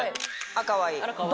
かわいい。